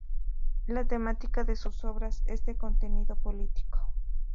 La temática de sus obras es de contenido político.